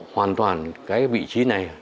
hoàn toàn cái vị trí này